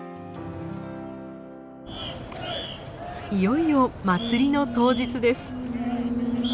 いよいよ祭りの当日です。